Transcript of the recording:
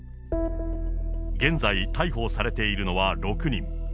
現在、逮捕されているのは６人。